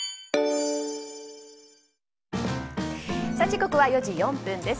時刻は４時４分です。